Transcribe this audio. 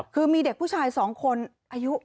คือมีเด็กผู้ชาย๒คนอายุ